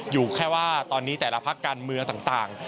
อยู่แค่ว่าตอนนี้แต่ละพักการเมืองต่าง